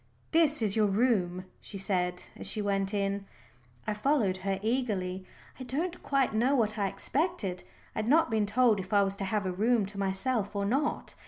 "This is your room," she said, as she went in. I followed her eagerly. I don't quite know what I expected. I had not been told if I was to have a room to myself or not.